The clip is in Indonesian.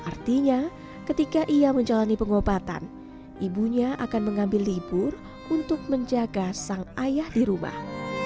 artinya ketika ia menjalani pengobatan ibunya akan mengambil libur untuk menjaga sang ayah di rumah